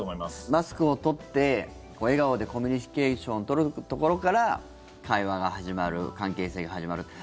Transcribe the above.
マスクを取って笑顔でコミュニケーションを取るところから会話が始まる関係性が始まる。